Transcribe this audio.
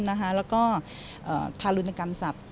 แล้วก็ทารุณกรรมสัตว